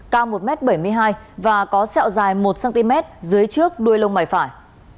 cao một m bảy mươi hai và có sẹo dài một cm dưới trước đuôi lông mày phải